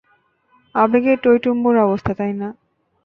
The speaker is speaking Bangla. আবেগে টইটুম্বর অবস্থা, তাই না?